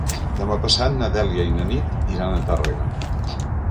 Demà passat na Dèlia i na Nit iran a Tàrrega.